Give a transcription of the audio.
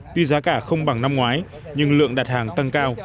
tuy giá cả không bằng năm ngoái nhưng lượng đặt hàng tăng cao